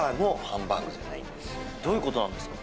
どういう事なんですか？